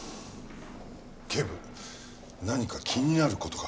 警部何か気になる事が？